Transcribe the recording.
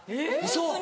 ウソ！